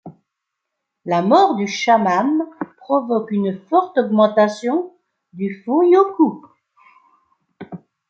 La mort du Shaman provoque une forte augmentation du Furyoku.